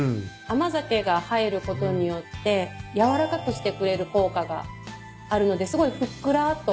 甘酒が入ることによって軟らかくしてくれる効果があるのですごいふっくらと。